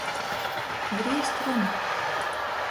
Grīzt runu.